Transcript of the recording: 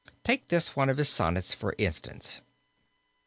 Take this one of his sonnets for instance.